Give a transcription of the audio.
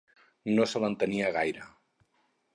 No se l'entenia gaire.